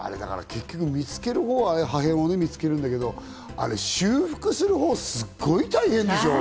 結局、見つけるほうは破片を見つけるんだけど修復するほうはすごい大変でしょ。